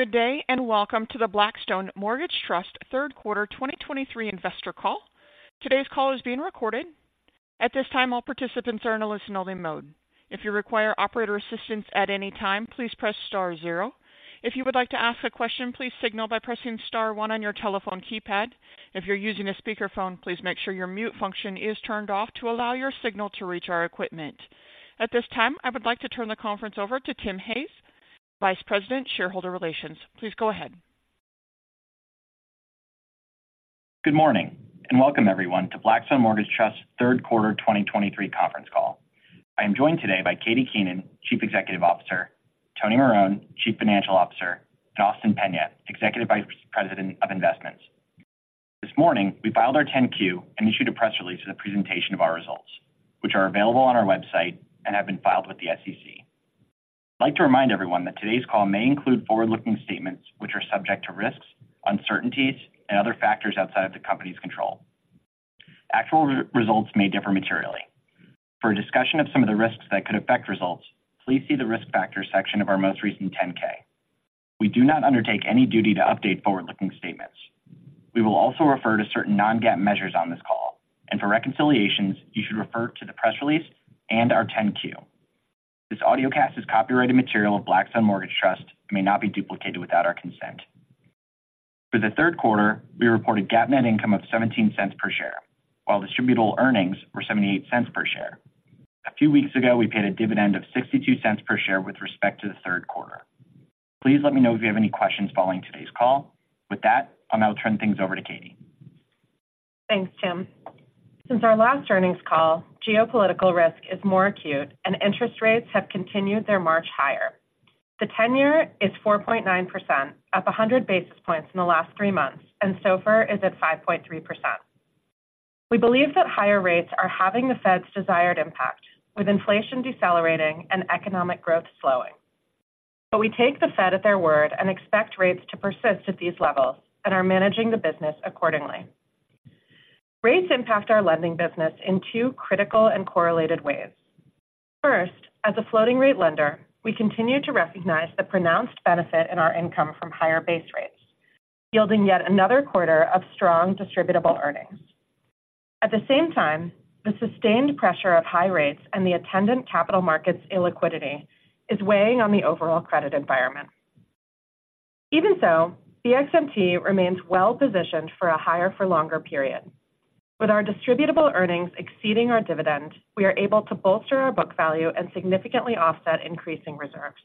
Good day, and welcome to the Blackstone Mortgage Trust third quarter 2023 investor call. Today's call is being recorded. At this time, all participants are in a listening mode. If you require operator assistance at any time, please press star zero. If you would like to ask a question, please signal by pressing star one on your telephone keypad. If you're using a speakerphone, please make sure your mute function is turned off to allow your signal to reach our equipment. At this time, I would like to turn the conference over to Tim Hayes, Vice President, Shareholder Relations. Please go ahead. Good morning, and welcome everyone to Blackstone Mortgage Trust's third quarter 2023 conference call. I am joined today by Katie Keenan, Chief Executive Officer, Tony Marone, Chief Financial Officer, and Austin Peña, Executive Vice President of Investments. This morning, we filed our 10-Q and issued a press release of the presentation of our results, which are available on our website and have been filed with the SEC. I'd like to remind everyone that today's call may include forward-looking statements which are subject to risks, uncertainties, and other factors outside of the company's control. Actual results may differ materially. For a discussion of some of the risks that could affect results, please see the Risk Factors section of our most recent 10-K. We do not undertake any duty to update forward-looking statements. We will also refer to certain non-GAAP measures on this call, and for reconciliations, you should refer to the press release and our 10-Q. This audiocast is copyrighted material of Blackstone Mortgage Trust and may not be duplicated without our consent. For the third quarter, we reported GAAP net income of $0.17 per share, while distributable earnings were $0.78 per share. A few weeks ago, we paid a dividend of $0.62 per share with respect to the third quarter. Please let me know if you have any questions following today's call. With that, I'll now turn things over to Katie. Thanks, Tim. Since our last earnings call, geopolitical risk is more acute and interest rates have continued their march higher. The ten-year is 4.9%, up 100 basis points in the last three months, and SOFR is at 5.3%. We believe that higher rates are having the Fed's desired impact, with inflation decelerating and economic growth slowing. But we take the Fed at their word and expect rates to persist at these levels and are managing the business accordingly. Rates impact our lending business in two critical and correlated ways. First, as a floating rate lender, we continue to recognize the pronounced benefit in our income from higher base rates, yielding yet another quarter of strong distributable earnings. At the same time, the sustained pressure of high rates and the attendant capital markets illiquidity is weighing on the overall credit environment. Even so, BXMT remains well-positioned for a higher for longer period. With our distributable earnings exceeding our dividend, we are able to bolster our book value and significantly offset increasing reserves.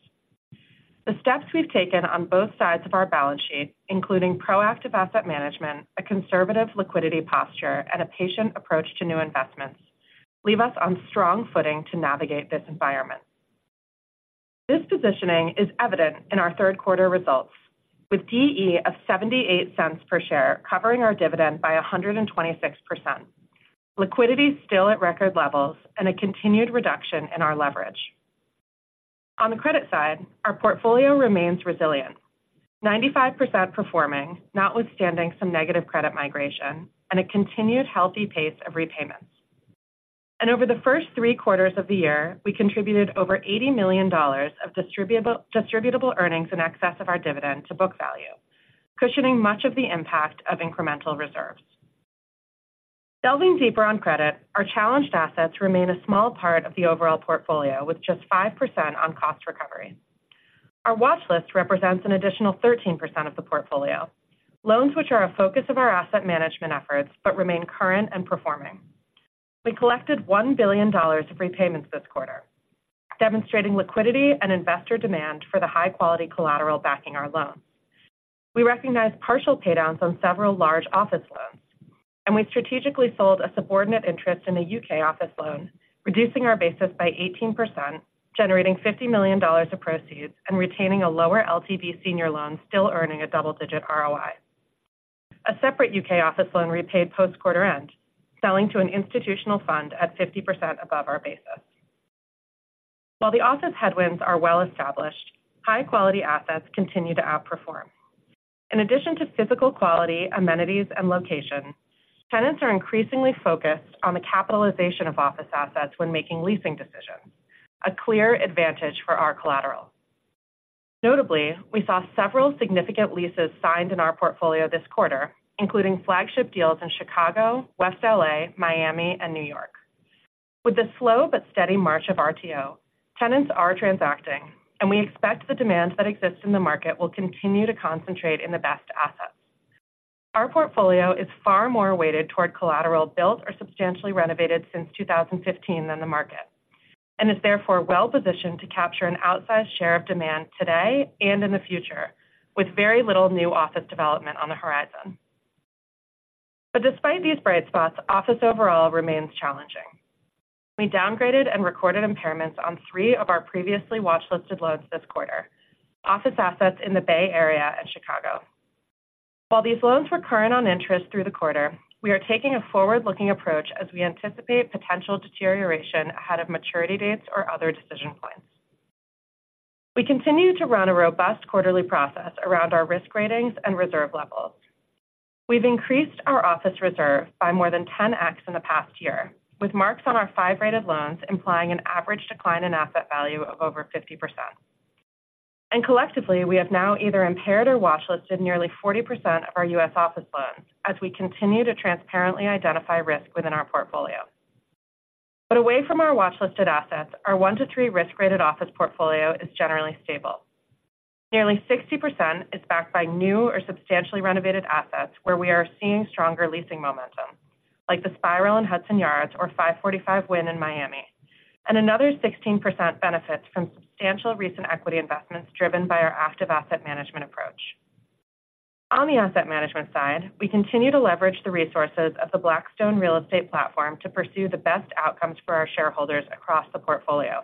The steps we've taken on both sides of our balance sheet, including proactive asset management, a conservative liquidity posture, and a patient approach to new investments, leave us on strong footing to navigate this environment. This positioning is evident in our third quarter results, with DE of $0.78 per share covering our dividend by 126%. Liquidity is still at record levels and a continued reduction in our leverage. On the credit side, our portfolio remains resilient, 95% performing, notwithstanding some negative credit migration and a continued healthy pace of repayments. Over the first three quarters of the year, we contributed over $80 million of distributable earnings in excess of our dividend to book value, cushioning much of the impact of incremental reserves. Delving deeper on credit, our challenged assets remain a small part of the overall portfolio, with just 5% on cost recovery. Our watch list represents an additional 13% of the portfolio, loans which are a focus of our asset management efforts but remain current and performing. We collected $1 billion of repayments this quarter, demonstrating liquidity and investor demand for the high-quality collateral backing our loans. We recognized partial paydowns on several large office loans, and we strategically sold a subordinate interest in a U.K. office loan, reducing our basis by 18%, generating $50 million of proceeds, and retaining a lower LTV senior loan still earning a double-digit ROI. A separate U.K. office loan repaid post-quarter end, selling to an institutional fund at 50% above our basis. While the office headwinds are well established, high-quality assets continue to outperform. In addition to physical quality, amenities, and location, tenants are increasingly focused on the capitalization of office assets when making leasing decisions, a clear advantage for our collateral. Notably, we saw several significant leases signed in our portfolio this quarter, including flagship deals in Chicago, West L.A., Miami, and New York. With the slow but steady march of RTO, tenants are transacting, and we expect the demand that exists in the market will continue to concentrate in the best assets. Our portfolio is far more weighted toward collateral built or substantially renovated since 2015 than the market, and is therefore well positioned to capture an outsized share of demand today and in the future, with very little new office development on the horizon. Despite these bright spots, office overall remains challenging. We downgraded and recorded impairments on three of our previously watchlisted loans this quarter, office assets in the Bay Area and Chicago. While these loans were current on interest through the quarter, we are taking a forward-looking approach as we anticipate potential deterioration ahead of maturity dates or other decision points. We continue to run a robust quarterly process around our risk ratings and reserve levels.... We've increased our office reserve by more than 10x in the past year, with marks on our 5 rated loans implying an average decline in asset value of over 50%. Collectively, we have now either impaired or watchlisted nearly 40% of our U.S. office loans as we continue to transparently identify risk within our portfolio. Away from our watchlisted assets, our 1-3 risk-rated office portfolio is generally stable. Nearly 60% is backed by new or substantially renovated assets, where we are seeing stronger leasing momentum, like The Spiral in Hudson Yards or 545 Wyn in Miami. Another 16% benefits from substantial recent equity investments, driven by our active asset management approach. On the asset management side, we continue to leverage the resources of the Blackstone Real Estate platform to pursue the best outcomes for our shareholders across the portfolio.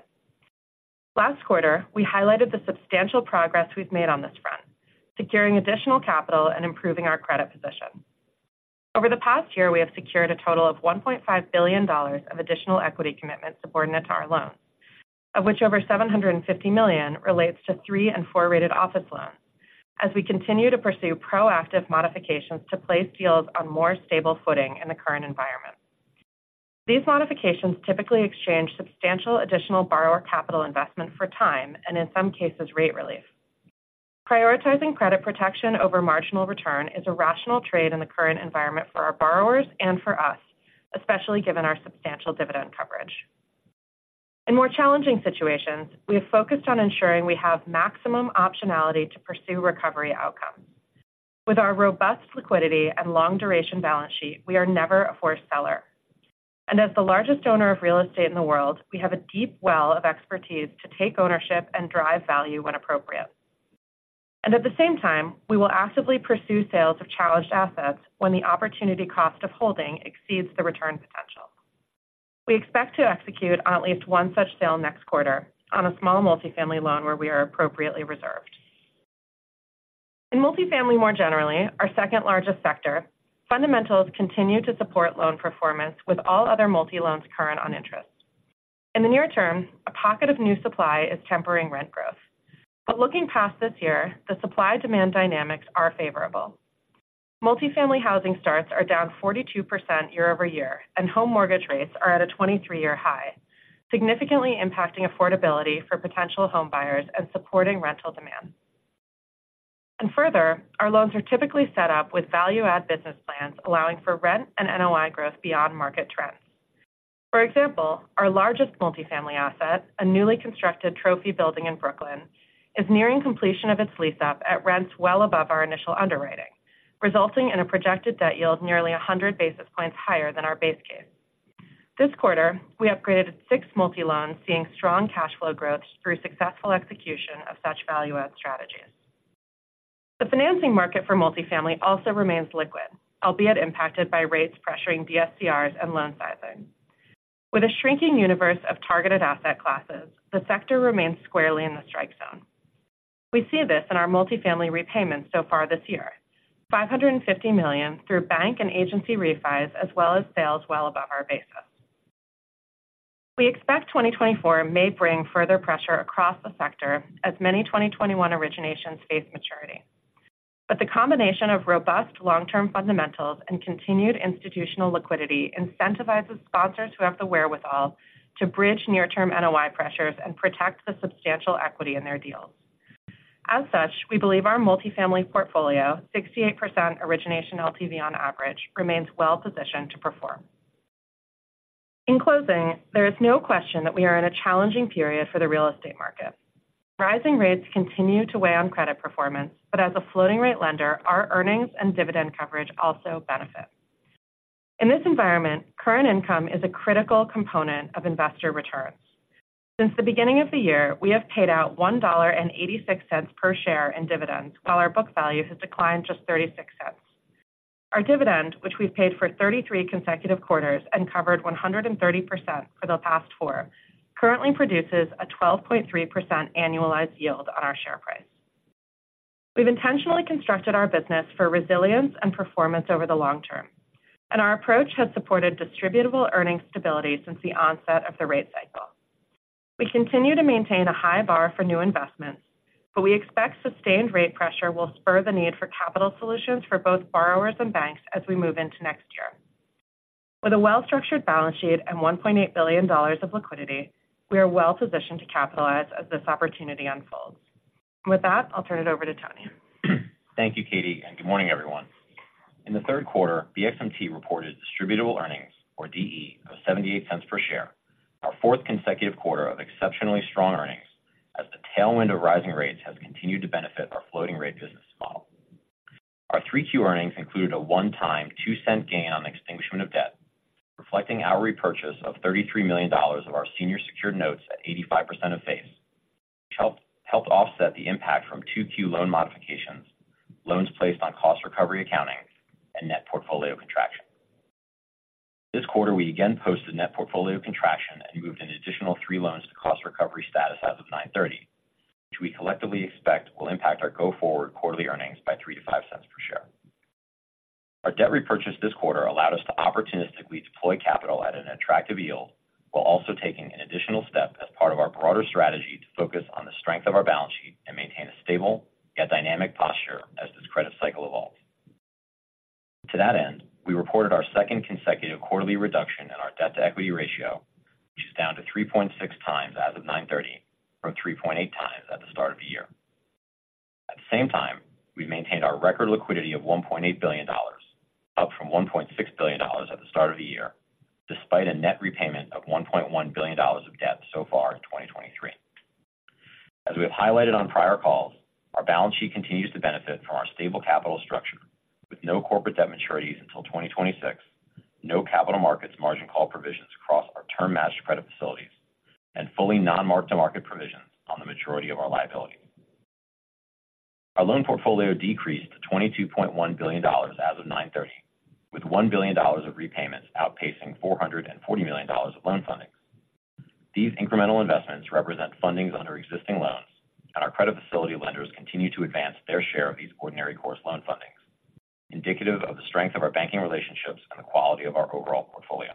Last quarter, we highlighted the substantial progress we've made on this front, securing additional capital and improving our credit position. Over the past year, we have secured a total of $1.5 billion of additional equity commitments subordinate to our loans, of which over $750 million relates to three and four-rated office loans. As we continue to pursue proactive modifications to place deals on more stable footing in the current environment, these modifications typically exchange substantial additional borrower capital investment for time, and in some cases, rate relief. Prioritizing credit protection over marginal return is a rational trade in the current environment for our borrowers and for us, especially given our substantial dividend coverage. In more challenging situations, we have focused on ensuring we have maximum optionality to pursue recovery outcomes. With our robust liquidity and long duration balance sheet, we are never a forced seller. As the largest owner of real estate in the world, we have a deep well of expertise to take ownership and drive value when appropriate. At the same time, we will actively pursue sales of challenged assets when the opportunity cost of holding exceeds the return potential. We expect to execute on at least one such sale next quarter on a small multifamily loan where we are appropriately reserved. In multifamily, more generally, our second largest sector, fundamentals continue to support loan performance with all other multi loans current on interest. In the near term, a pocket of new supply is tempering rent growth. Looking past this year, the supply-demand dynamics are favorable. Multifamily housing starts are down 42% year-over-year, and home mortgage rates are at a 23-year high, significantly impacting affordability for potential homebuyers and supporting rental demand. Further, our loans are typically set up with value-add business plans, allowing for rent and NOI growth beyond market trends. For example, our largest multifamily asset, a newly constructed trophy building in Brooklyn, is nearing completion of its lease-up at rents well above our initial underwriting, resulting in a projected debt yield nearly 100 basis points higher than our base case. This quarter, we upgraded six multifamily loans, seeing strong cash flow growth through successful execution of such value-add strategies. The financing market for multifamily also remains liquid, albeit impacted by rates pressuring DSCRs and loan sizing. With a shrinking universe of targeted asset classes, the sector remains squarely in the strike zone. We see this in our multifamily repayments so far this year, $550 million through bank and agency refis, as well as sales well above our base. We expect 2024 may bring further pressure across the sector as many 2021 originations face maturity. But the combination of robust long-term fundamentals and continued institutional liquidity incentivizes sponsors who have the wherewithal to bridge near-term NOI pressures and protect the substantial equity in their deals. As such, we believe our multifamily portfolio, 68% origination LTV on average, remains well-positioned to perform. In closing, there is no question that we are in a challenging period for the real estate market. Rising rates continue to weigh on credit performance, but as a floating rate lender, our earnings and dividend coverage also benefit. In this environment, current income is a critical component of investor returns. Since the beginning of the year, we have paid out $1.86 per share in dividends, while our book value has declined just $0.36. Our dividend, which we've paid for 33 consecutive quarters and covered 130% for the past four, currently produces a 12.3% annualized yield on our share price. We've intentionally constructed our business for resilience and performance over the long term, and our approach has supported distributable earnings stability since the onset of the rate cycle. We continue to maintain a high bar for new investments, but we expect sustained rate pressure will spur the need for capital solutions for both borrowers and banks as we move into next year. With a well-structured balance sheet and $1.8 billion of liquidity, we are well positioned to capitalize as this opportunity unfolds. With that, I'll turn it over to Tony. Thank you, Katie, and good morning, everyone. In the third quarter, BXMT reported distributable earnings, or DE, of $0.78 per share, our fourth consecutive quarter of exceptionally strong earnings as the tailwind of rising rates has continued to benefit our floating rate business model. Our 3Q earnings included a one-time $0.02 gain on the extinguishment of debt, reflecting our repurchase of $33 million of our senior secured notes at 85% of face, which helped offset the impact from 2Q loan modifications, loans placed on cost recovery accounting, and net portfolio contraction. This quarter, we again posted net portfolio contraction and moved an additional 3 loans to cost recovery status as of 9/30, which we collectively expect will impact our go-forward quarterly earnings by $0.03-$0.05 per share. Our debt repurchase this quarter allowed us to opportunistically deploy capital at an attractive yield while also taking an additional step as part of our broader strategy to focus on the strength of our balance sheet, maintain a stable, yet dynamic posture as this credit cycle evolves. To that end, we reported our second consecutive quarterly reduction in our debt-to-equity ratio, which is down to 3.6x as of 9/30, from 3.8x at the start of the year. At the same time, we've maintained our record liquidity of $1.8 billion, up from $1.6 billion at the start of the year, despite a net repayment of $1.1 billion of debt so far in 2023. As we have highlighted on prior calls, our balance sheet continues to benefit from our stable capital structure, with no corporate debt maturities until 2026, no capital markets margin call provisions across our term matched credit facilities, and fully non-mark-to-market provisions on the majority of our liabilities. Our loan portfolio decreased to $22.1 billion as of 9/30, with $1 billion of repayments outpacing $440 million of loan fundings. These incremental investments represent fundings under existing loans, and our credit facility lenders continue to advance their share of these ordinary course loan fundings, indicative of the strength of our banking relationships and the quality of our overall portfolio.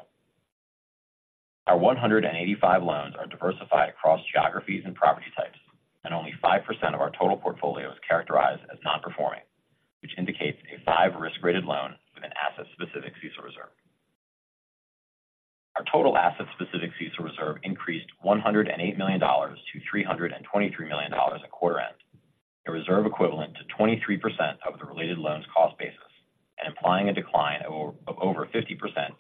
Our 185 loans are diversified across geographies and property types, and only 5% of our total portfolio is characterized as non-performing, which indicates a five risk-rated loan with an asset-specific CECL reserve. Our total asset-specific CECL reserve increased $108 million to $323 million at quarter end, a reserve equivalent to 23% of the related loan's cost basis and implying a decline of over 50%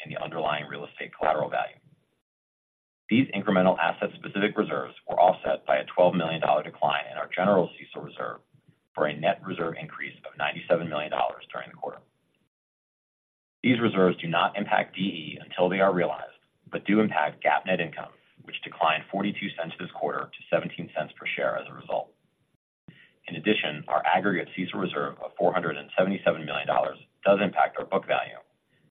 in the underlying real estate collateral value. These incremental asset-specific reserves were offset by a $12 million decline in our general CECL reserve, for a net reserve increase of $97 million during the quarter. These reserves do not impact DE until they are realized, but do impact GAAP net income, which declined $0.42 this quarter to $0.17 per share as a result. In addition, our aggregate CECL reserve of $477 million does impact our book value.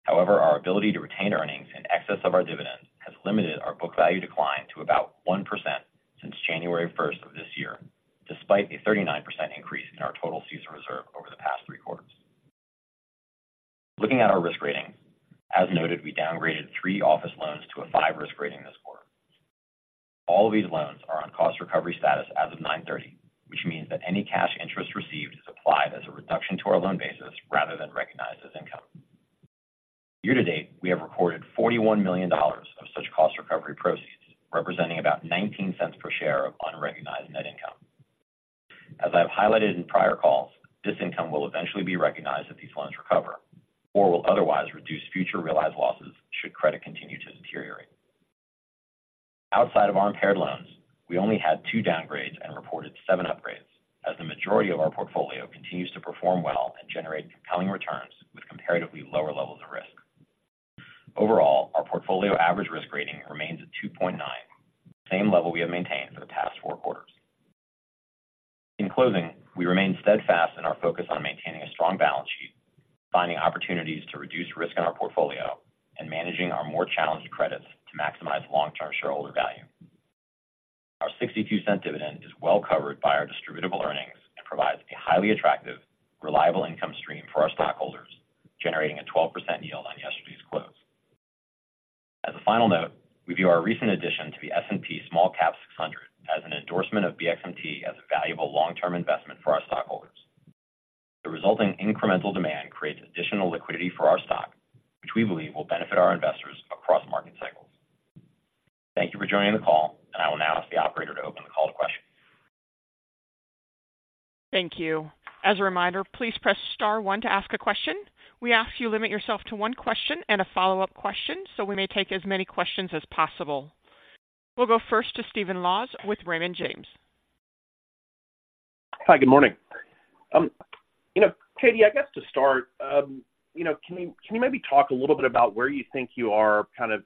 However, our ability to retain earnings in excess of our dividends has limited our book value decline to about 1% since January first of this year, despite a 39% increase in our total CECL reserve over the past three quarters. Looking at our risk rating, as noted, we downgraded three office loans to a five risk rating this quarter. All of these loans are on cost recovery status as of 9/30, which means that any cash interest received is applied as a reduction to our loan basis rather than recognized as income. Year to date, we have recorded $41 million of such cost recovery proceeds, representing about $0.19 per share of unrecognized net income. As I've highlighted in prior calls, this income will eventually be recognized if these loans recover, or will otherwise reduce future realized losses should credit continue to deteriorate. Outside of our impaired loans, we only had two downgrades and reported seven upgrades, as the majority of our portfolio continues to perform well and generate compelling returns with comparatively lower levels of risk. Overall, our portfolio average risk rating remains at 2.9, the same level we have maintained for the past four quarters. In closing, we remain steadfast in our focus on maintaining a strong balance sheet, finding opportunities to reduce risk in our portfolio, and managing our more challenged credits to maximize long-term shareholder value. Our $0.62 dividend is well covered by our distributable earnings and provides a highly attractive, reliable income stream for our stockholders, generating a 12% yield on yesterday's close. As a final note, we view our recent addition to the S&P SmallCap 600 as an endorsement of BXMT as a valuable long-term investment for our stockholders. The resulting incremental demand creates additional liquidity for our stock, which we believe will benefit our investors across market cycles. Thank you for joining the call, and I will now ask the operator to open the call to questions. Thank you. As a reminder, please press star one to ask a question. We ask you limit yourself to one question and a follow-up question so we may take as many questions as possible. We'll go first to Stephen Laws with Raymond James. Hi, good morning. You know, Katie, I guess to start you know can you maybe talk a little bit about where you think you are kind of,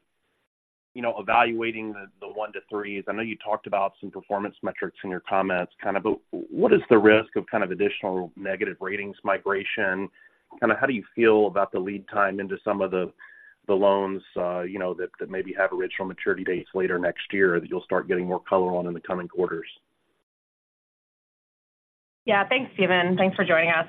you know, evaluating the one to threes? I know you talked about some performance metrics in your comments, kind of, but what is the risk of kind of additional negative ratings migration? Kind of how do you feel about the lead time into some of the loans, you know, that maybe have original maturity dates later next year, that you'll start getting more color on in the coming quarters? Yeah. Thanks, Steven. Thanks for joining us.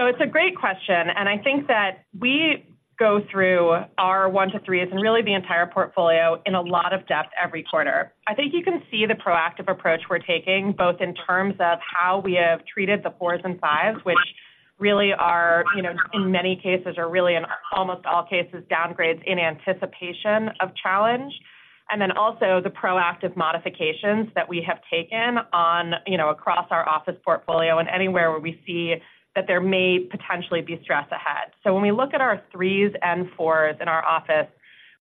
It's a great question, and I think that we go through our one to threes and really the entire portfolio in a lot of depth every quarter. I think you can see the proactive approach we're taking, both in terms of how we have treated the fours and fives, which really are, you know, in many cases, are really in almost all cases, downgrades in anticipation of challenge, and then also the proactive modifications that we have taken on, you know, across our office portfolio and anywhere where we see that there may potentially be stress ahead. When we look at our threes and fours in our office,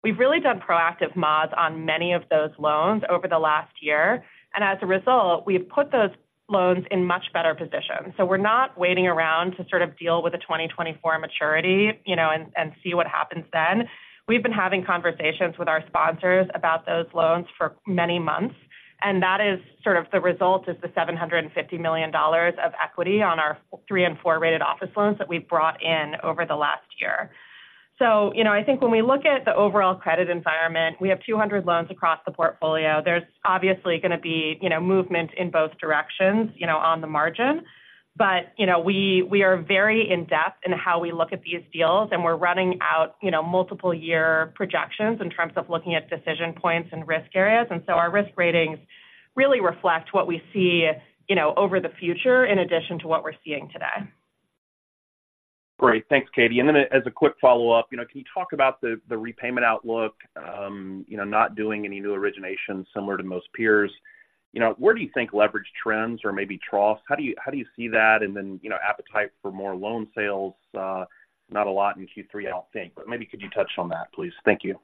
we've really done proactive mods on many of those loans over the last year. As a result, we've put those loans in much better position. So we're not waiting around to sort of deal with a 2024 maturity, you know, and, and see what happens then. We've been having conversations with our sponsors about those loans for many months, and that is sort of the result is the $750 million of equity on our three- and four-rated office loans that we've brought in over the last year. So you know, I think when we look at the overall credit environment, we have 200 loans across the portfolio. There's obviously gonna be, you know, movement in both directions, you know, on the margin. You know, we are very in-depth in how we look at these deals, and we're running out, you know, multiple year projections in terms of looking at decision points and risk areas. And so our risk ratings really reflect what we see, you know, over the future, in addition to what we're seeing today. Great. Thanks, Katie. And then as a quick follow-up, you know, can you talk about the repayment outlook? You know, not doing any new originations, similar to most peers. You know, where do you think leverage trends or maybe troughs? How do you see that? And then, you know, appetite for more loan sales, not a lot in Q3, I don't think, but maybe could you touch on that, please? Thank you.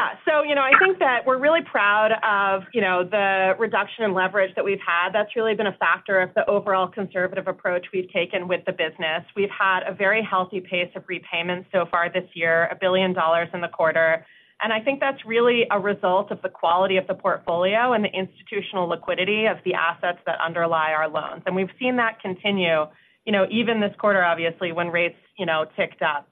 Yeah. So, you know, I think that we're really proud of, you know, the reduction in leverage that we've had. That's really been a factor of the overall conservative approach we've taken with the business. We've had a very healthy pace of repayments so far this year, $1 billion in the quarter. I think that's really a result of the quality of the portfolio and the institutional liquidity of the assets that underlie our loans. And we've seen that continue, you know, even this quarter, obviously, when rates, you know, ticked up.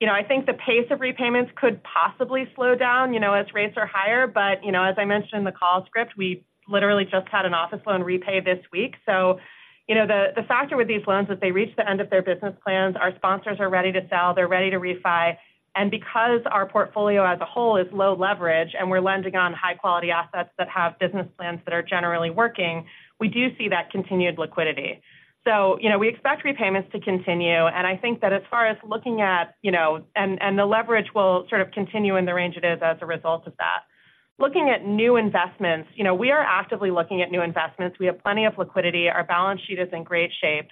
You know, I think the pace of repayments could possibly slow down, you know, as rates are higher. But, you know, as I mentioned in the call script, we literally just had an office loan repay this week. So you know, the factor with these loans, as they reach the end of their business plans, our sponsors are ready to sell, they're ready to refi. And because our portfolio as a whole is low leverage, and we're lending on high-quality assets that have business plans that are generally working, we do see that continued liquidity. S we expect repayments to continue, and I think that as far as looking at, you know, and the leverage will sort of continue in the range it is as a result of that. Looking at new investments, you know, we are actively looking at new investments. We have plenty of liquidity. Our balance sheet is in great shape,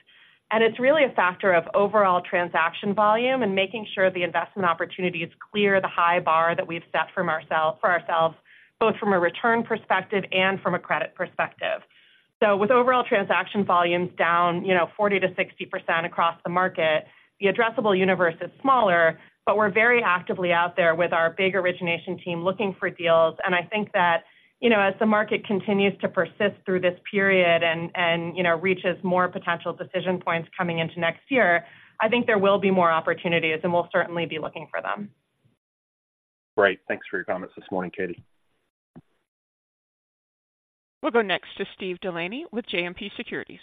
and it's really a factor of overall transaction volume and making sure the investment opportunities clear the high bar that we've set for ourselves, both from a return perspective and from a credit perspective. So with overall transaction volumes down, you know, 40%-60% across the market, the addressable universe is smaller, but we're very actively out there with our big origination team, looking for deals. I think that, you know, as the market continues to persist through this period and, you know, reaches more potential decision points coming into next year, I think there will be more opportunities, and we'll certainly be looking for them. Great. Thanks for your comments this morning, Katie. We'll go next to Steve Delaney with JMP Securities.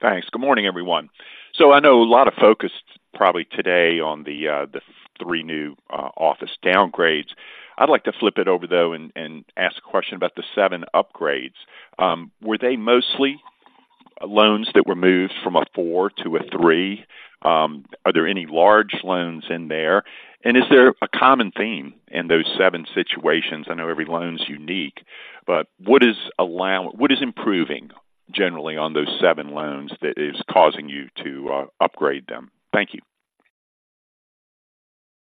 Thanks. Good morning, everyone. So I know a lot of focus probably today on the three new office downgrades. I'd like to flip it over, though, and ask a question about the seven upgrades. Were they mostly loans that were moved from a four to a three? Are there any large loans in there? And is there a common theme in those seven situations? I know every loan is unique, but what is improving generally on those seven loans that is causing you to upgrade them? Thank you.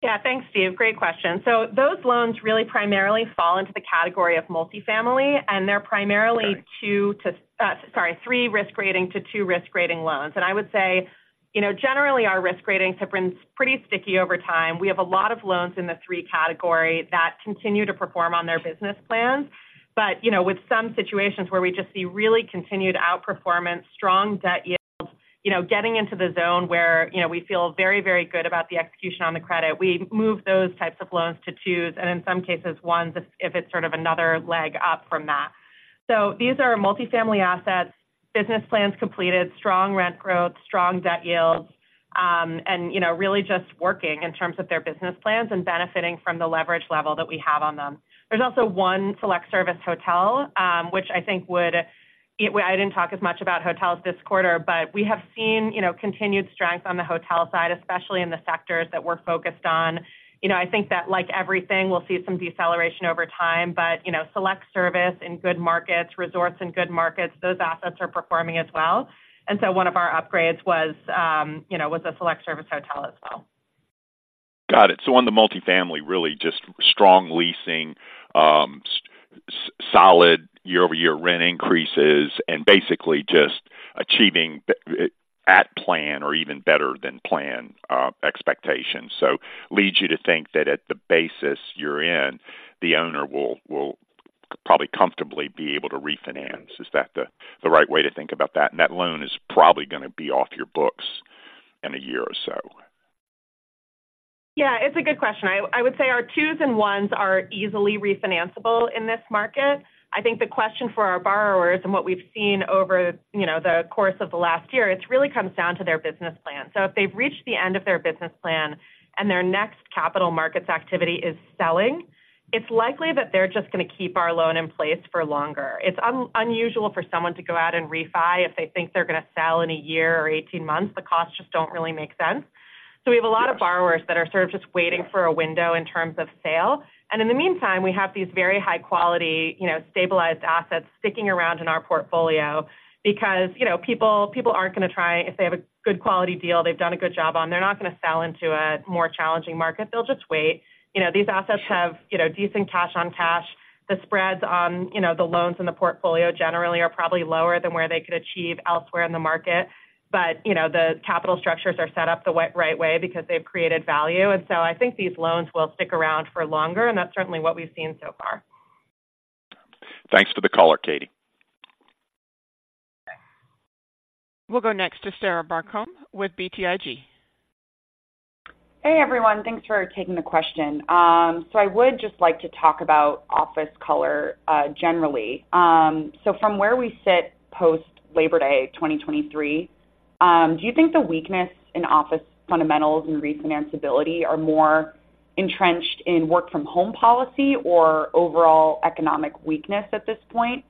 Yeah. Thanks, Steve. Great question. So those loans really primarily fall into the category of multifamily, and they're primarily- Okay. Three Risk Rating to two Risk Rating loans. And I would say, you know, generally, our Risk Ratings have been pretty sticky over time. We have a lot of loans in the three category that continue to perform on their business plans. But, you know, with some situations where we just see really continued outperformance, strong debt yields, you know, getting into the zone where, you know, we feel very, very good about the execution on the credit, we move those types of loans to twos, and in some cases, ones, if, if it's sort of another leg up from that. So these are multifamily assets, business plans completed, strong rent growth, strong debt yields, and, you know, really just working in terms of their business plans and benefiting from the leverage level that we have on them. There's also one select service hotel, which I think would. I didn't talk as much about hotels this quarter, but we have seen, you know, continued strength on the hotel side, especially in the sectors that we're focused on. You know, I think that like everything, we'll see some deceleration over time, but select service in good markets, resorts in good markets, those assets are performing as well. And so one of our upgrades was, you know, was a select service hotel as well. Got it. So on the multifamily, really just strong leasing, solid year-over-year rent increases, and basically just achieving at plan or even better than plan expectations. So leads you to think that at the basis you're in, the owner will probably comfortably be able to refinance. Is that the right way to think about that? And that loan is probably gonna be off your books in a year or so. Yeah, it's a good question. I, I would say our twos and ones are easily refinanceable in this market. I think the question for our borrowers and what we've seen over, you know, the course of the last year, it's really comes down to their business plan. So if they've reached the end of their business plan and their next capital markets activity is selling, it's likely that they're just gonna keep our loan in place for longer. It's unusual for someone to go out and refi if they think they're gonna sell in a year or 18 months. The costs just don't really make sense. So we have a lot of borrowers that are sort of just waiting for a window in terms of sale. In the meantime, we have these very high-quality, you know, stabilized assets sticking around in our portfolio because, you know, people, people aren't gonna try. If they have a good quality deal they've done a good job on, they're not gonna sell into a more challenging market. They'll just wait. You know, these assets have, you know, decent cash on cash. The spreads on, you know, the loans in the portfolio generally are probably lower than where they could achieve elsewhere in the market. But, you know, the capital structures are set up the right way because they've created value. And so I think these loans will stick around for longer, and that's certainly what we've seen so far. Thanks for the color, Katie. We'll go next to Sarah Barcomb with BTIG. Hey, everyone. Thanks for taking the question. So I would just like to talk about office color generally. So from where we sit post Labor Day 2023, do you think the weakness in office fundamentals and refinanceability are more entrenched in work-from-home policy or overall economic weakness at this point?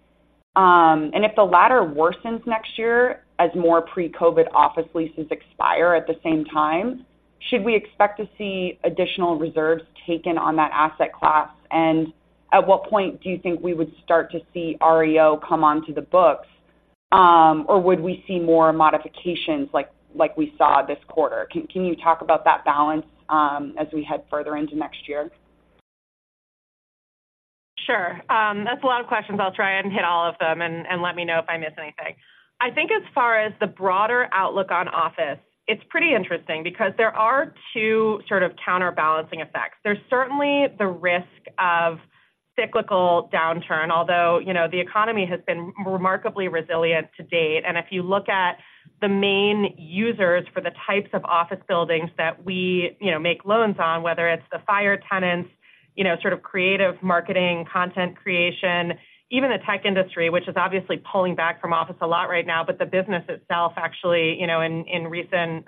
And if the latter worsens next year as more pre-COVID office leases expire at the same time, should we expect to see additional reserves taken on that asset class, and at what point do you think we would start to see REO come onto the books, or would we see more modifications like we saw this quarter? Can you talk about that balance as we head further into next year? Sure. That's a lot of questions. I'll try and hit all of them and let me know if I miss anything. I think as far as the broader outlook on office, it's pretty interesting because there are two sort of counterbalancing effects. There's certainly the risk of cyclical downturn, although, you know, the economy has been remarkably resilient to date. And if you look at the main users for the types of office buildings that we, you know, make loans on, whether it's the FIRE tenants, you know, sort of creative marketing, content creation, even the tech industry, which is obviously pulling back from office a lot right now, but the business itself actually, you know, in recent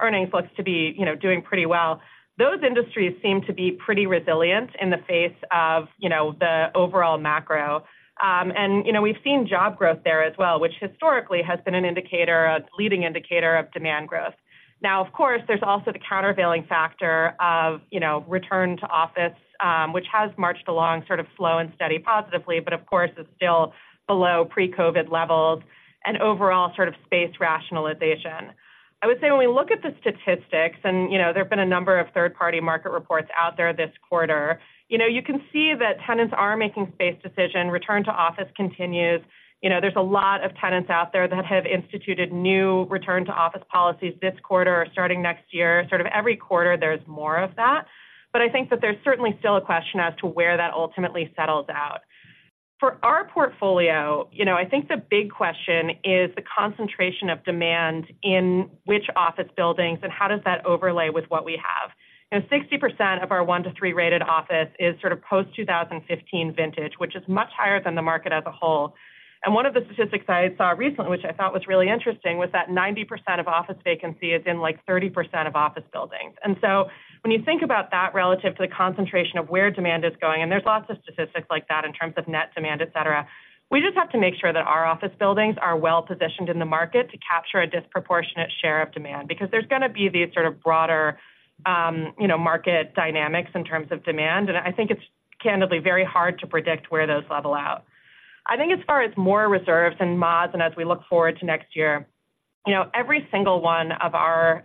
earnings looks to be, you know, doing pretty well. Those industries seem to be pretty resilient in the face of, you know, the overall macro. And, you know, we've seen job growth there as well, which historically has been an indicator, a leading indicator of demand growth. Now, of course, there's also the countervailing factor of, you know, return to office, which has marched along sort of slow and steady, positively, but of course, is still below pre-COVID levels and overall sort of space rationalization. I would say when we look at the statistics, and, you know, there have been a number of third-party market reports out there this quarter, you know, you can see that tenants are making space decisions, return to office continues. You know, there's a lot of tenants out there that have instituted new return to office policies this quarter or starting next year. Sort of every quarter, there's more of that. But I think that there's certainly still a question as to where that ultimately settles out. For our portfolio, you know, I think the big question is the concentration of demand in which office buildings, and how does that overlay with what we have? You know, 60% of our one to three rated office is sort of post-2015 vintage, which is much higher than the market as a whole. And one of the statistics I saw recently, which I thought was really interesting, was that 90% of office vacancy is in, like, 30% of office buildings. So when you think about that relative to the concentration of where demand is going, and there's lots of statistics like that in terms of net demand, et cetera, we just have to make sure that our office buildings are well positioned in the market to capture a disproportionate share of demand, because there's gonna be these sort of broader, you know, market dynamics in terms of demand. And I think it's candidly very hard to predict where those level out. I think as far as more reserves and mods, and as we look forward to next year, you know, every single one of our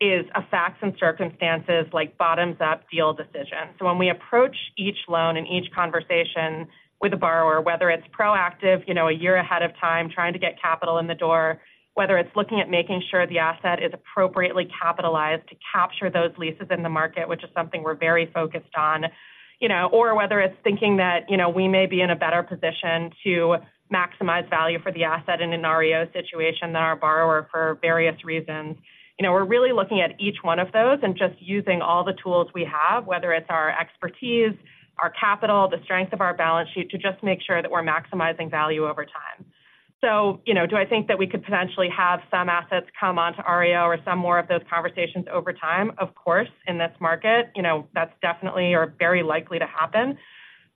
assets is a facts and circumstances, like, bottoms-up deal decision. So when we approach each loan and each conversation with a borrower, whether it's proactive, you know, a year ahead of time, trying to get capital in the door, whether it's looking at making sure the asset is appropriately capitalized to capture those leases in the market, which is something we're very focused on, you know, or whether it's thinking that, you know, we may be in a better position to maximize value for the asset in an REO situation than our borrower for various reasons. You know, we're really looking at each one of those and just using all the tools we have, whether it's our expertise, our capital, the strength of our balance sheet, to just make sure that we're maximizing value over time. So, you know, do I think that we could potentially have some assets come onto REO or some more of those conversations over time? Of course, in this market, you know, that's definitely or very likely to happen.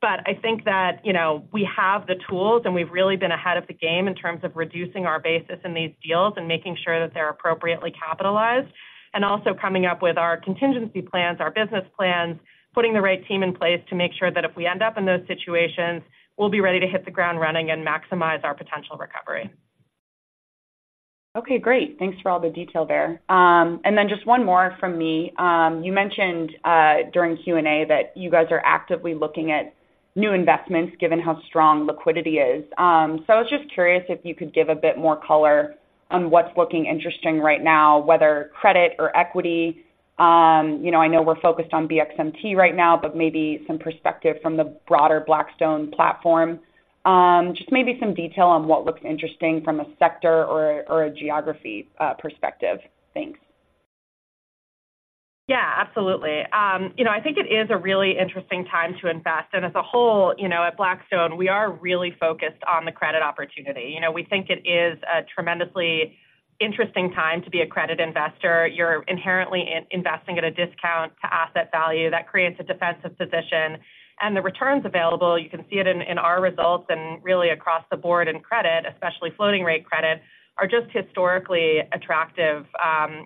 But I think that, you know, we have the tools, and we've really been ahead of the game in terms of reducing our basis in these deals and making sure that they're appropriately capitalized, and also coming up with our contingency plans, our business plans, putting the right team in place to make sure that if we end up in those situations, we'll be ready to hit the ground running and maximize our potential recovery. Okay, great. Thanks for all the detail there. And then just one more from me. You mentioned during Q&A that you guys are actively looking at new investments given how strong liquidity is. So I was just curious if you could give a bit more color on what's looking interesting right now, whether credit or equity. You know, I know we're focused on BXMT right now, but maybe some perspective from the broader Blackstone platform. Just maybe some detail on what looks interesting from a sector or, or a geography perspective. Thanks. Yeah, absolutely. You know, I think it is a really interesting time to invest, and as a whole, you know, at Blackstone, we are really focused on the credit opportunity. You know, we think it is a tremendously interesting time to be a credit investor. You're inherently investing at a discount to asset value. That creates a defensive position. And the returns available, you can see it in our results and really across the board in credit, especially floating rate credit, are just historically attractive,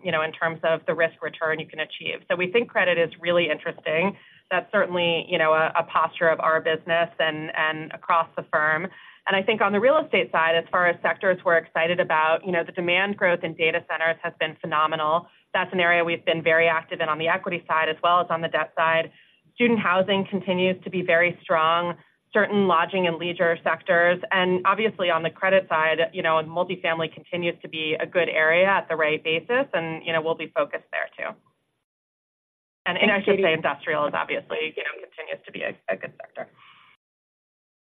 you know, in terms of the risk return you can achieve. So we think credit is really interesting. That's certainly, you know, a posture of our business and across the firm. And I think on the real estate side, as far as sectors we're excited about, you know, the demand growth in data centers has been phenomenal. That's an area we've been very active in on the equity side, as well as on the debt side. Student housing continues to be very strong, certain lodging and leisure sectors, and obviously on the credit side, you know, multifamily continues to be a good area at the right basis, and, you know, we'll be focused there too. And I should say industrial is obviously, you know, continues to be a good sector.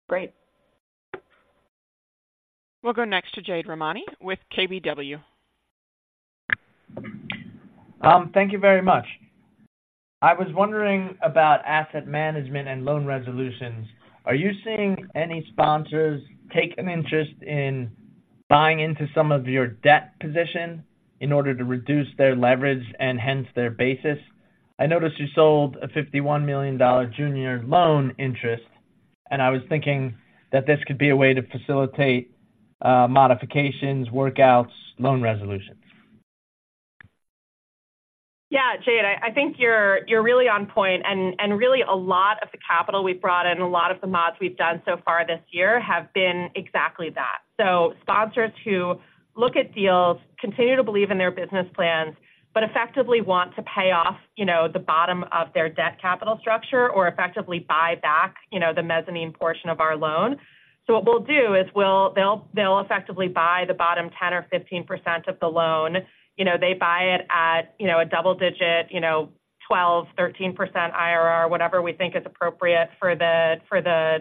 Great. We'll go next to Jade Rahmani with KBW. Thank you very much. I was wondering about asset management and loan resolutions. Are you seeing any sponsors take an interest in buying into some of your debt position in order to reduce their leverage and hence their basis? I noticed you sold a $51 million junior loan interest, and I was thinking that this could be a way to facilitate, modifications, workouts, loan resolutions. Yeah, Jade, I think you're really on point, and really a lot of the capital we've brought in and a lot of the mods we've done so far this year have been exactly that. So sponsors who look at deals continue to believe in their business plans, but effectively want to pay off, you know, the bottom of their debt capital structure or effectively buy back, you know, the mezzanine portion of our loan. So they'll effectively buy the bottom 10%-15% of the loan. You know, they buy it at, you know, a double-digit, you know, 12%-13% IRR, whatever we think is appropriate for the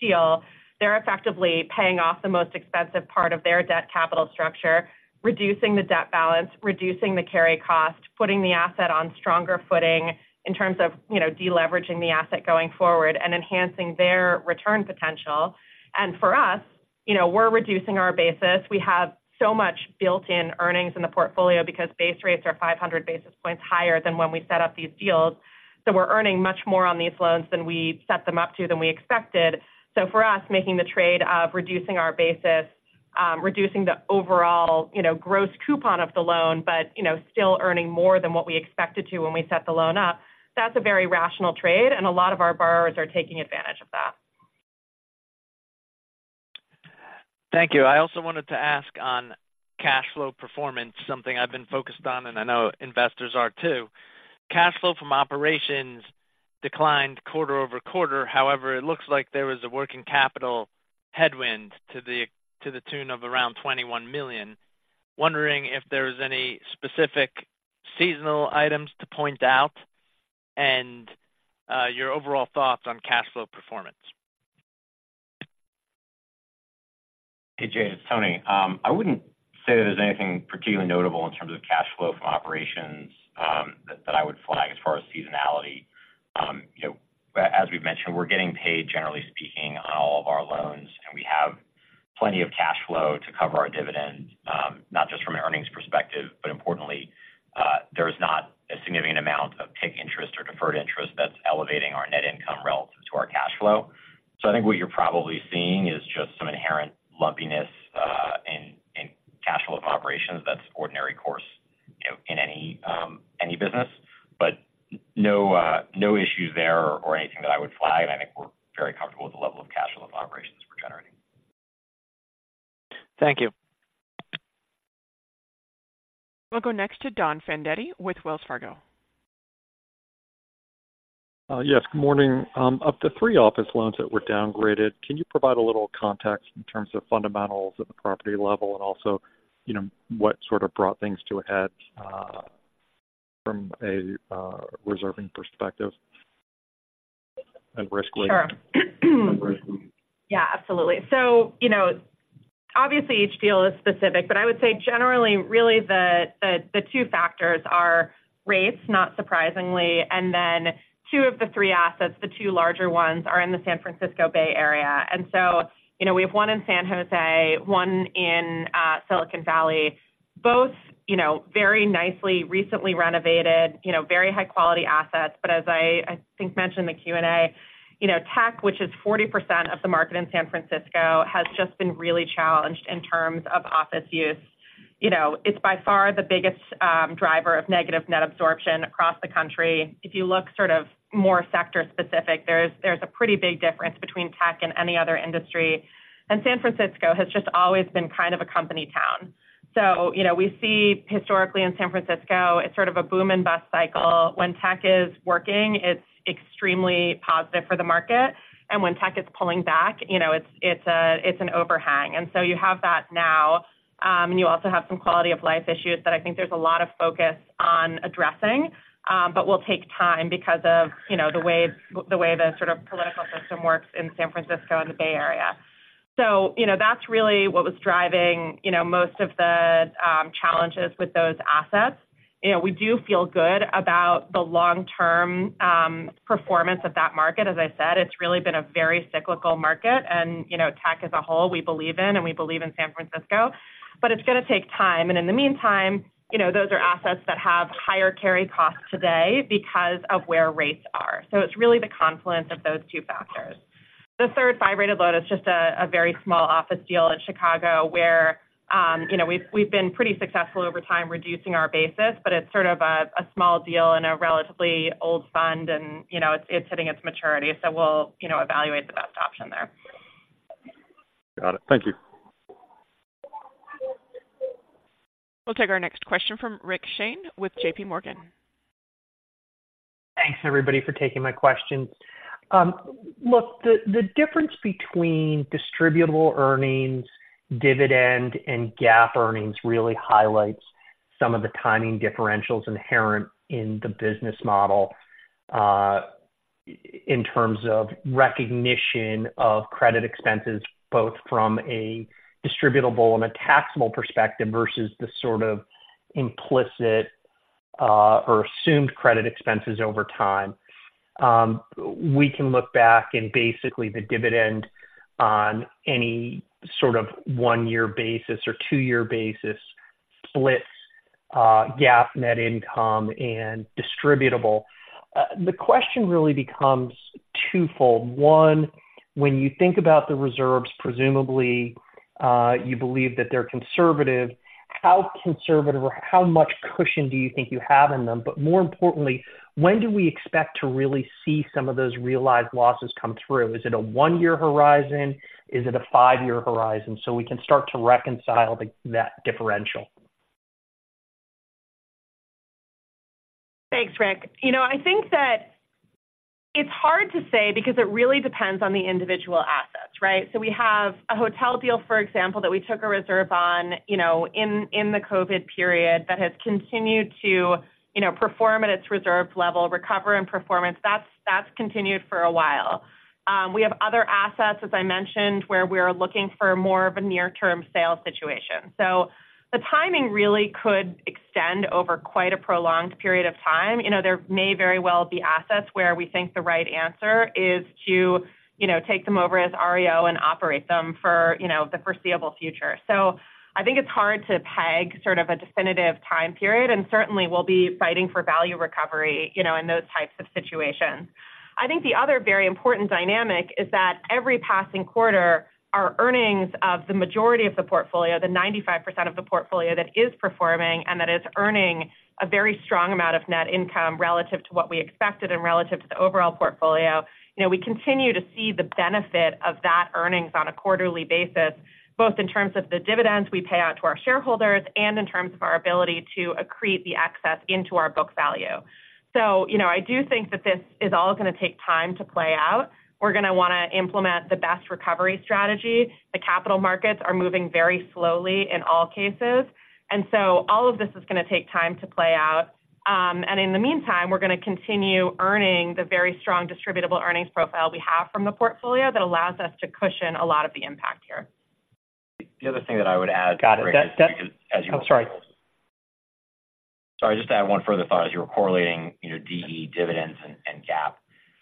deal. They're effectively paying off the most expensive part of their debt capital structure, reducing the debt balance, reducing the carry cost, putting the asset on stronger footing in terms of, you know, deleveraging the asset going forward and enhancing their return potential. And for us, you know, we're reducing our basis. We have so much built-in earnings in the portfolio because base rates are 500 basis points higher than when we set up these deals. So we're earning much more on these loans than we set them up to, than we expected. So for us, making the trade of reducing our basis, reducing the overall, you know, gross coupon of the loan, but, you know, still earning more than what we expected to when we set the loan up, that's a very rational trade, and a lot of our borrowers are taking advantage of that. Thank you. I also wanted to ask on cash flow performance, something I've been focused on, and I know investors are, too. Cash flow from operations declined quarter-over-quarter. However, it looks like there was a working capital headwind to the tune of around $21 million. Wondering if there is any specific seasonal items to point out and your overall thoughts on cash flow performance? Hey, Jade, it's Tony. I wouldn't say there's anything particularly notable in terms of cash flow from operations, that I would flag as far as seasonality. You know, as we've mentioned, we're getting paid, generally speaking, on all of our loans, and we have plenty of cash flow to cover our dividend, not just from an earnings perspective, but importantly, there's not a significant amount of PIK interest or deferred interest that's elevating our net income relative to our cash flow. So I think what you're probably seeing is just some inherent lumpiness, in cash flow from operations that's ordinary course, you know, in any business, but no, no issues there or anything that I would flag. I think we're very comfortable with the level of cash flow from operations we're generating. Thank you. We'll go next to Don Fandetti with Wells Fargo. Yes, good morning. Of the three office loans that were downgraded, can you provide a little context in terms of fundamentals at the property level and also, you know, what sort of brought things to a head, from a reserving perspective and risk weight? Sure. Yeah, absolutely. So, you know, obviously, each deal is specific, but I would say generally, really the two factors are rates, not surprisingly, and then two of the three assets, the two larger ones, are in the San Francisco Bay Area. And so, you know, we have one in San Jose, one in Silicon Valley, both, you know, very nicely recently renovated, you know, very high-quality assets. But as I think mentioned in the Q&A, you know, tech, which is 40% of the market in San Francisco, has just been really challenged in terms of office use. You know, it's by far the biggest driver of negative net absorption across the country. If you look sort of more sector-specific, there's a pretty big difference between tech and any other industry. And San Francisco has just always been kind of a company town. So, you know, we see historically in San Francisco, it's sort of a boom and bust cycle. When tech is working, it's extremely positive for the market, and when tech is pulling back, you know, it's an overhang. And so you have that now, and you also have some quality of life issues that I think there's a lot of focus on addressing, but will take time because of, you know, the way the sort of political system works in San Francisco and the Bay Area. So, you know, that's really what was driving, you know, most of the challenges with those assets. You know, we do feel good about the long-term performance of that market. As I said, it's really been a very cyclical market and, you know, tech as a whole, we believe in, and we believe in San Francisco, but it's gonna take time. And in the meantime, you know, those are assets that have higher carry costs today because of where rates are. So it's really the confluence of those two factors. The third bi-rated loan is just a very small office deal in Chicago, where, you know, we've been pretty successful over time, reducing our basis, but it's sort of a small deal and a relatively old fund and, you know, it's hitting its maturity, so we'll, you know, evaluate the best option there. Got it. Thank you. We'll take our next question from Rick Shane with JPMorgan. Thanks, everybody, for taking my questions. Look, the difference between distributable earnings, dividend, and GAAP earnings really highlights some of the timing differentials inherent in the business model. In terms of recognition of credit expenses, both from a distributable and a taxable perspective versus the sort of implicit or assumed credit expenses over time. We can look back and basically the dividend on any sort of one-year basis or two-year basis splits GAAP net income and distributable. The question really becomes twofold. One, when you think about the reserves, presumably you believe that they're conservative. How conservative or how much cushion do you think you have in them? But more importantly, when do we expect to really see some of those realized losses come through? Is it a one-year horizon? Is it a five-year horizon? So we can start to reconcile that differential. Thanks, Rick. You know, I think that it's hard to say because it really depends on the individual assets, right? So we have a hotel deal, for example, that we took a reserve on, you know, in the COVID period, that has continued to, you know, perform at its reserve level, recover and performance. That's continued for a while. We have other assets, as I mentioned, where we're looking for more of a near-term sale situation. So the timing really could extend over quite a prolonged period of time. You know, there may very well be assets where we think the right answer is to, you know, take them over as REO and operate them for, you know, the foreseeable future. So I think it's hard to peg sort of a definitive time period, and certainly we'll be fighting for value recovery, you know, in those types of situations. I think the other very important dynamic is that every passing quarter, our earnings of the majority of the portfolio, the 95% of the portfolio that is performing and that is earning a very strong amount of net income relative to what we expected and relative to the overall portfolio. You know, we continue to see the benefit of that earnings on a quarterly basis, both in terms of the dividends we pay out to our shareholders and in terms of our ability to accrete the access into our book value. So, you know, I do think that this is all going to take time to play out. We're going to want to implement the best recovery strategy. The capital markets are moving very slowly in all cases, and so all of this is going to take time to play out. In the meantime, we're going to continue earning the very strong distributable earnings profile we have from the portfolio that allows us to cushion a lot of the impact here. The other thing that I would add- Got it. Oh, sorry. Sorry, just to add one further thought, as you were correlating, you know, DE dividends and GAAP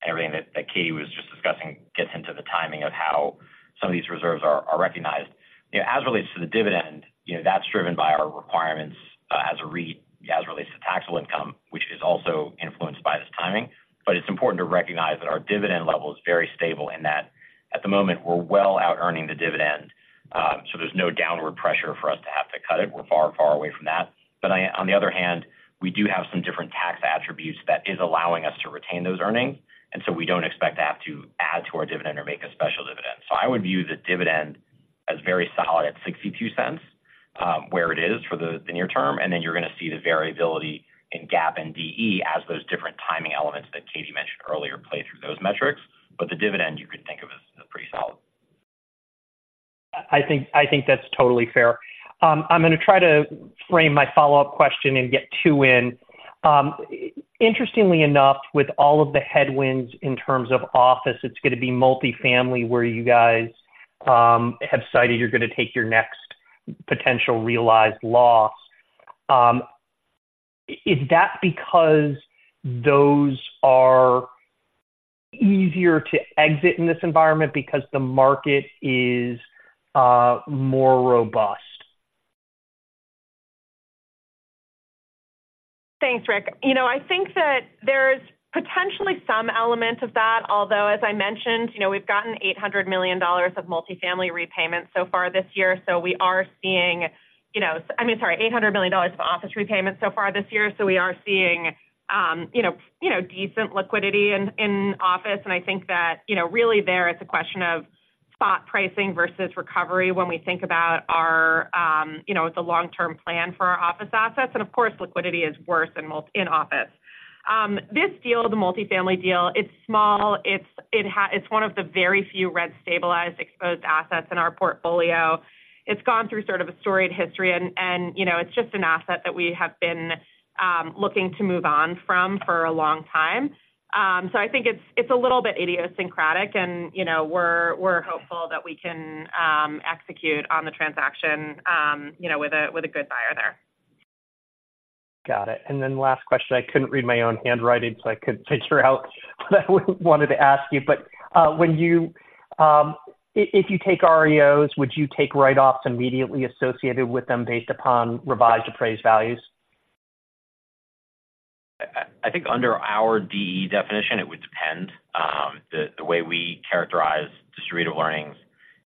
and everything that Katie was just discussing gets into the timing of how some of these reserves are recognized. You know, as relates to the dividend, you know, that's driven by our requirements as a REIT, as it relates to taxable income, which is also influenced by this timing. But it's important to recognize that our dividend level is very stable in that. At the moment, we're well out earning the dividend, so there's no downward pressure for us to have to cut it. We're far, far away from that. But on the other hand, we do have some different tax attributes that is allowing us to retain those earnings, and so we don't expect to have to add to our dividend or make a special dividend. So I would view the dividend as very solid at $0.62, where it is for the near term, and then you're going to see the variability in GAAP and DE as those different timing elements that Katie mentioned earlier play through those metrics. But the dividend, you could think of as pretty solid. I think, I think that's totally fair. I'm going to try to frame my follow-up question and get two in. Interestingly enough, with all of the headwinds in terms of office, it's going to be multifamily where you guys have cited you're going to take your next potential realized loss. Is that because those are easier to exit in this environment because the market is more robust? Thanks, Rick. You know, I think that there's potentially some element of that, although, as I mentioned, you know, we've gotten $800 million of multifamily repayments so far this year, so we are seeing, you know... I mean, sorry, $800 million of office repayments so far this year. So we are seeing, you know, you know, decent liquidity in, in office. And I think that, you know, really there it's a question of spot pricing versus recovery when we think about our, you know, the long-term plan for our office assets. And of course, liquidity is worse than in office. This deal, the multifamily deal, it's small. It's, it's one of the very few rent-stabilized, exposed assets in our portfolio. It's gone through sort of a storied history and, you know, it's just an asset that we have been looking to move on from for a long time. So I think it's a little bit idiosyncratic and, you know, we're hopeful that we can execute on the transaction, you know, with a good buyer there. Got it. And then last question. I couldn't read my own handwriting, so I couldn't figure out what I wanted to ask you. But, when you, if you take REOs, would you take write-offs immediately associated with them based upon revised appraised values? I think under our DE definition, it would depend. The way we characterize distributable earnings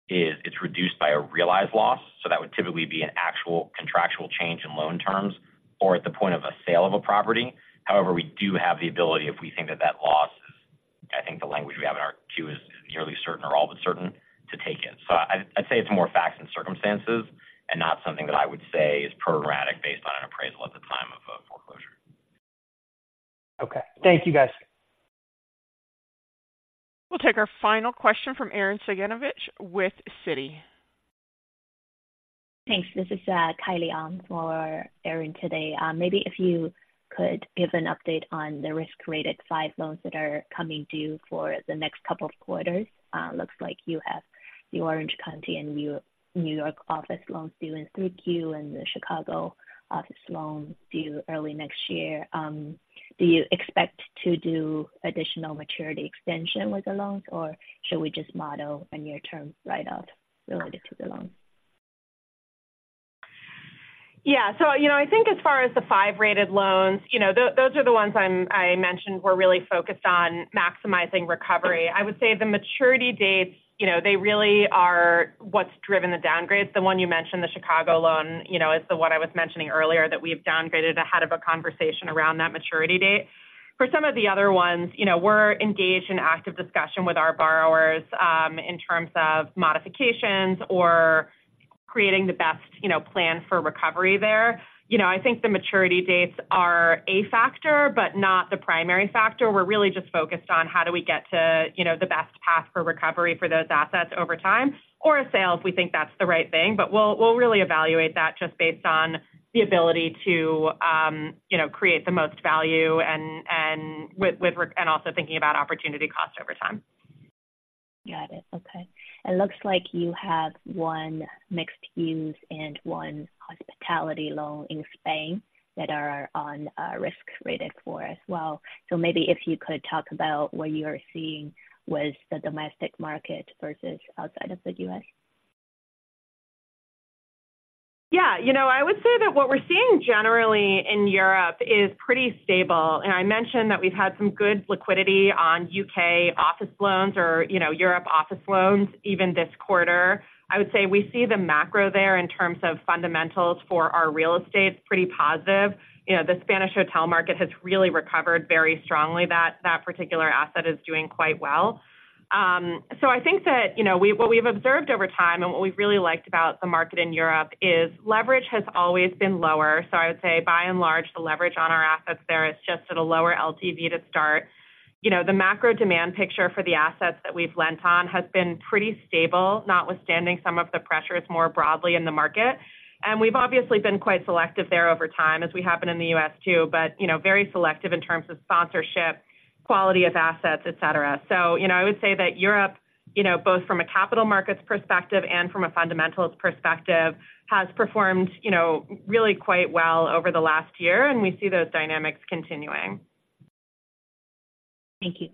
is it's reduced by a realized loss, so that would typically be an actual contractual change in loan terms or at the point of a sale of a property. However, we do have the ability, if we think that loss is, I think the language we have in our Q is nearly certain or all but certain, to take it. So I'd say it's more facts than circumstances, and not something that I would say is programmatic based on an appraisal at the time of a foreclosure. Okay. Thank you, guys. We'll take our final question from Arren Cyganovich with Citi. Thanks. This is Kaili Wang for Arren today. Maybe if you could give an update on the risk-rated five loans that are coming due for the next couple of quarters. Looks like you have the Orange County and New, New York office loans due in 3Q and the Chicago office loan due early next year. Do you expect to do additional maturity extension with the loans, or should we just model a near-term write-off related to the loans? Yeah. So, you know, I think as far as the five rated loans, you know, those are the ones I mentioned we're really focused on maximizing recovery. I would say the maturity dates, you know, they really are what's driven the downgrades. The one you mentioned, the Chicago loan, you know, is the one I was mentioning earlier, that we've downgraded ahead of a conversation around that maturity date. For some of the other ones, you know, we're engaged in active discussion with our borrowers in terms of modifications or creating the best, you know, plan for recovery there. You know, I think the maturity dates are a factor, but not the primary factor. We're really just focused on how do we get to, you know, the best path for recovery for those assets over time, or a sale, if we think that's the right thing. But we'll really evaluate that just based on the ability to, you know, create the most value and also thinking about opportunity cost over time. Got it. Okay. It looks like you have one mixed-use and one hospitality loan in Spain that are on risk rated four as well. So maybe if you could talk about what you are seeing with the domestic market versus outside of the U.S. Yeah. You know, I would say that what we're seeing generally in Europe is pretty stable, and I mentioned that we've had some good liquidity on U.K. office loans or, you know, Europe office loans even this quarter. I would say we see the macro there in terms of fundamentals for our real estate, pretty positive. You know, the Spanish hotel market has really recovered very strongly. That particular asset is doing quite well. So I think that, you know, what we've observed over time and what we've really liked about the market in Europe is leverage has always been lower. So I would say by and large, the leverage on our assets there is just at a lower LTV to start. You know, the macro demand picture for the assets that we've lent on has been pretty stable, notwithstanding some of the pressures more broadly in the market. And we've obviously been quite selective there over time, as we have been in the U.S. too, but, you know, very selective in terms of sponsorship, quality of assets, et cetera. So, you know, I would say that Europe, you know, both from a capital markets perspective and from a fundamentals perspective, has performed, you know, really quite well o-er the last year, and we see those dynamics continuing. Thank you.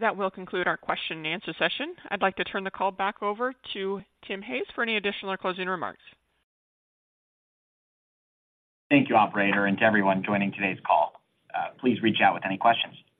That will conclude our question-and-answer session. I'd like to turn the call back over to Tim Hayes for any additional or closing remarks. Thank you, operator, and to everyone joining today's call. Please reach out with any questions.